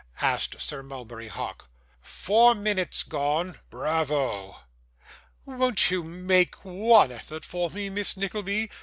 asked Sir Mulberry Hawk. 'Four minutes gone.' 'Bravo!' 'Won't you ma ake one effort for me, Miss Nickleby?